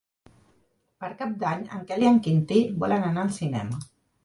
Per Cap d'Any en Quel i en Quintí volen anar al cinema.